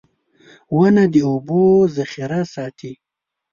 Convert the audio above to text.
• ونه د اوبو ذخېره ساتي.